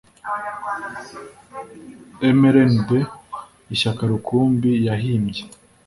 mrnd, ishyaka rukumbi yahimbye